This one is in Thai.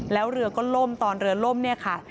แล้วเรือก็ล่มตอนเรือล่มเนี่ยค่ะ